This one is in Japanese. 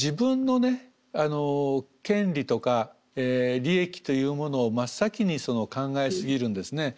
権利とか利益というものを真っ先に考えすぎるんですね。